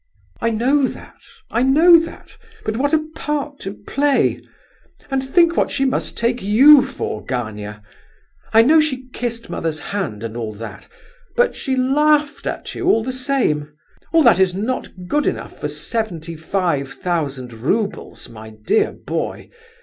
"I know that—I know that; but what a part to play! And think what she must take you for, Gania! I know she kissed mother's hand, and all that, but she laughed at you, all the same. All this is not good enough for seventy five thousand roubles, my dear boy.